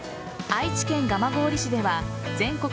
愛知県蒲郡市では全国